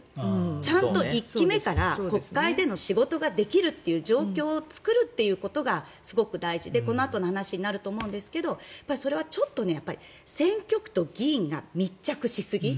ちゃんと１期目から国会での仕事ができるという状況を作るということがすごく大事でこのあとの話にあると思いますがそれはちょっと選挙区と議員が密着しすぎ。